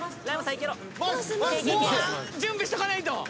準備しとかないと。